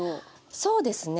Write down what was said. そうですね。